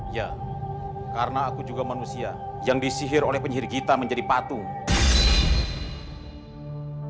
ya karena aku juga manusia yang disihir oleh penyihir kita menjadi patung